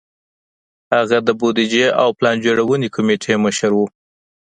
هغه د بودیجې او پلان جوړونې کمېټې مشر و.